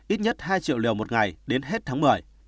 ít nhất hai triệu liều một ngày đến hết tháng một mươi